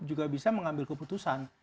juga bisa mengambil keputusan